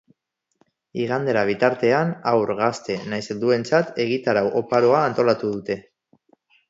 Igandera bitartean, haur, gazte nahiz helduentzat egitarau oparoa antolatu dute.